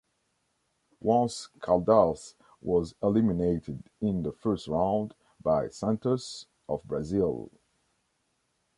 Once Caldas was eliminated in the first round, by Santos, of Brazil.